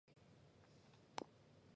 滇葎草为桑科葎草属下的一个种。